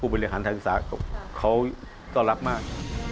ผู้บริหารทางศาสตร์เขาต้องรับมาก